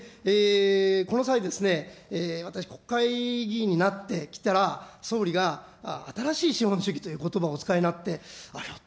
この際ですね、私、国会議員になってきたら、総理が新しい資本主義ということばをお使いになって、あ、ひょっ